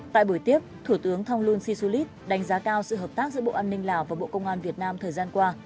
tại buổi tiếp thủ tướng thông luân si su lít đánh giá cao sự hợp tác giữa bộ an ninh lào và bộ công an việt nam thời gian qua